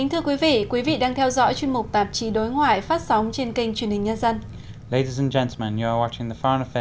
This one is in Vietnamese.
hãy đăng ký kênh để ủng hộ kênh của chúng mình nhé